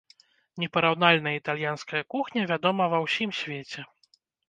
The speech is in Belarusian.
Непараўнальная італьянская кухня вядома ва ўсім свеце.